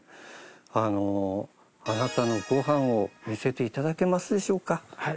あのあなたのご飯を見せていただけますでしょうか？